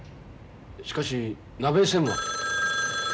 しかし鍋井専務は。